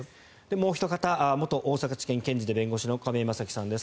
もうおひと方元大阪地検検事で弁護士の亀井正貴さんです。